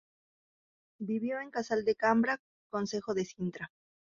Vivió en Casal de Cambra, concejo de Sintra.